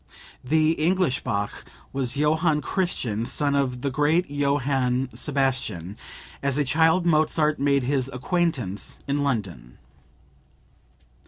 The "English" Bach was Johann Christian, son of the great Johann Sebastian. As a child Mozart made his acquaintance in London.)